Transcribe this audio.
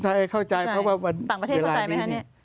ต่างประเทศเข้าใจไหมครับอย่างนี้